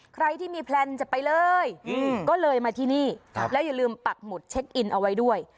ใครที่มีแพลนจะไปเลยก็เลยมาที่นี่แล้วอย่าลืมปักหมุดเช็คอินเอาไว้ด้วย